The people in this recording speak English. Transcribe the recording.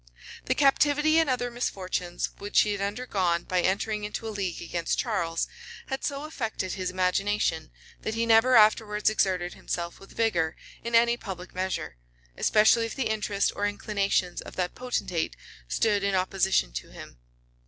[] The captivity and other misfortunes which he had undergone by entering into a league against Charles, had so affected his imagination, that he never afterwards exerted himself with vigor in any public measure; especially if the interest or inclinations of that potentate stood in opposition to him.